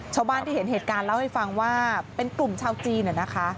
ชาวบ้านที่เห็นเหตุการณ์เล่าให้ฟังว่าเป็นกลุ่มชาวจีน